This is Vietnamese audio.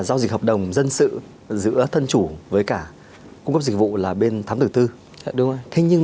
giao dịch hợp đồng dân sự giữa thân chủ với cả cũng có dịch vụ là bên thám tử tư đúng thế nhưng